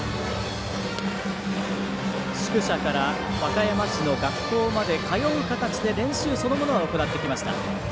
宿舎から和歌山市の学校まで通う形で練習そのものは行っていきました。